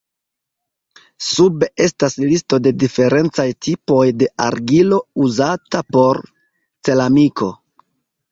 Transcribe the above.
Sube estas listo de diferencaj tipoj de argilo uzata por ceramiko.